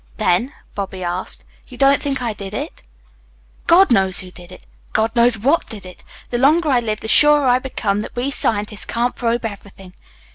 "Then," Bobby asked, "you don't think I did it?" "God knows who did it. God knows what did it. The longer I live the surer I become that we scientists can't probe everything.